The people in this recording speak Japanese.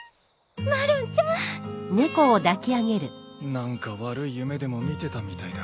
何か悪い夢でも見てたみたいだ。